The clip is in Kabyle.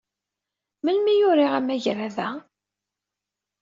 Melmi ay uriɣ amagrad-a?